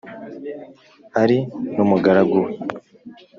ari n'umugaragu we;